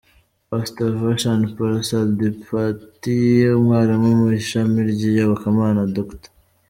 Pastor Vara Prasaad Deepati, umwarimu mu ishami ry’iyobokama, Dr.